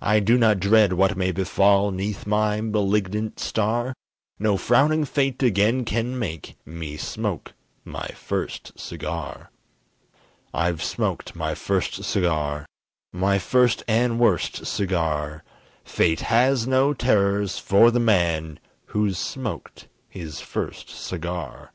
I do not dread what may befall 'Neath my malignant star, No frowning fate again can make Me smoke my first cigar. I've smoked my first cigar! My first and worst cigar! Fate has no terrors for the man Who's smoked his first cigar!